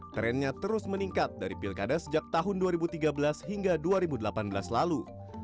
trendnya terus meningkat dari pilkada sejak tahun dua ribu tiga belas hingga dua ribu delapan belas lalu